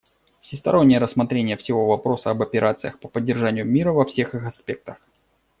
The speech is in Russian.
Всестороннее рассмотрение всего вопроса об операциях по поддержанию мира во всех их аспектах.